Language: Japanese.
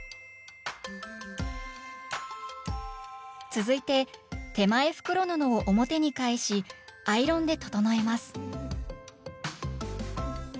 続いて手前袋布を表に返しアイロンで整えます